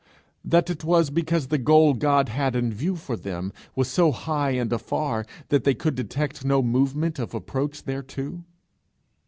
that it was because the goal God had in view for them was so high and afar, that they could detect no movement of approach thereto?